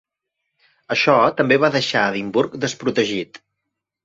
Això també va deixar Edimburg desprotegit.